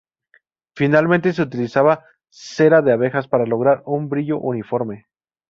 Finalmente se utilizaba cera de abejas para lograr un brillo uniforme.